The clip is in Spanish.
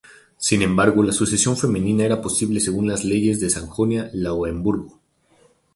Sin embargo, la sucesión femenina era posible según las leyes de Sajonia-Lauemburgo.